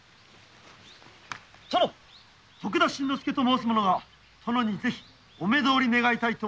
徳田新之助と申す者が殿にぜひお目通り願いたいと。